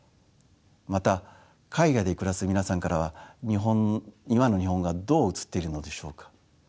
また海外で暮らす皆さんからは今の日本がどう映っているのでしょうか？